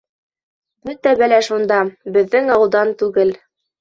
Бөтә бәлә шунда: беҙҙең ауылдан түгел.